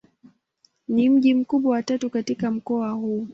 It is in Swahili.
Ni mji mkubwa wa tatu katika mkoa huu.